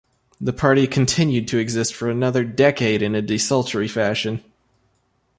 The party continued to exist for another decade in a desultory fashion.